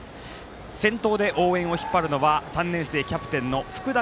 先頭で応援を引っ張るのは３年生キャプテンのふくだ